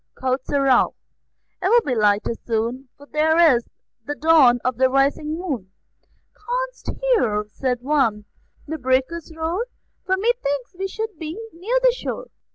Quoth Sir Ralph: "It will be lighter soon, For there is the dawn of the rising moon." "Canst hear," said one, "the breakers roar? For methinks we should be near the shore."